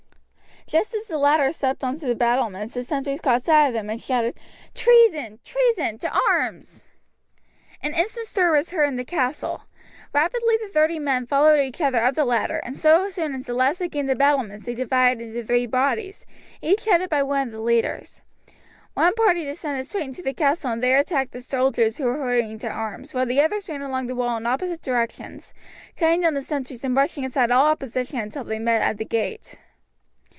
Just as the latter stepped on to the battlements the sentries caught sight of them and shouted: "Treason! treason! to arms!" An instant stir was heard in the castle. Rapidly the thirty men followed each other up the ladder, and so soon as the last had gained the battlements they divided in three bodies, each headed by one of the leaders. One party descended straight into the castle and there attacked the soldiers who were hurrying to arms, while the others ran along the wall in opposite directions, cutting down the sentries and brushing aside all opposition until together they met at the gate.